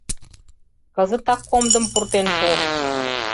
Кызытак комдым пуртен пу!